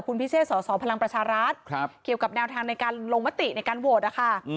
คุณพิเศษสอสอพลังประชารัฐเกี่ยวกับแนวทางในการลงมติในการโหวตนะคะ